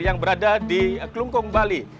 yang berada di kelungkung bali